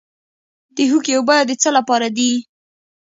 د هوږې اوبه د څه لپاره دي؟